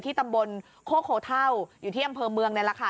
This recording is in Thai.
ตำบลโคโคเท่าอยู่ที่อำเภอเมืองนี่แหละค่ะ